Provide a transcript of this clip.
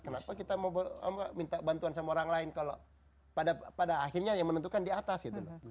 kenapa kita mau minta bantuan sama orang lain kalau pada akhirnya yang menentukan di atas gitu loh